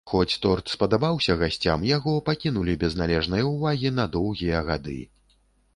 Хоць торт спадабаўся гасцям, яго пакінулі без належнай увагі на доўгія гады.